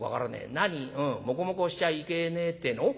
もこもこをしちゃいけねえってえの？